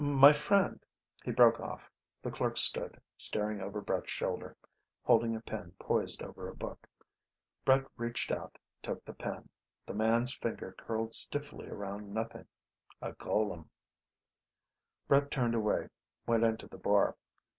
"My friend " He broke off. The clerk stood, staring over Brett's shoulder, holding a pen poised over a book. Brett reached out, took the pen. The man's finger curled stiffly around nothing. A golem. Brett turned away, went into the bar.